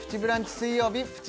水曜日プチ